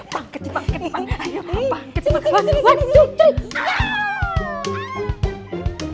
bangketi bangketi bangketi